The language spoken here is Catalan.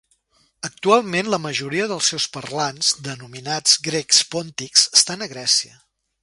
Actualment la majoria dels seus parlants, denominats grecs pòntics estan a Grècia.